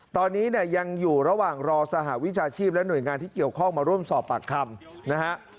ตอนนี้เนี่ยยังอยู่ระหว่างรอสหวิชาชีพและหน่วยงานที่เกี่ยวข้องมาร่วมสอบปากคำนะฮะ